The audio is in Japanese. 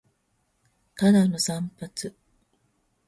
ただの散髪